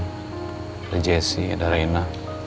ada jessy ada reina